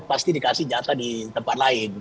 pasti dikasih jatah di tempat lain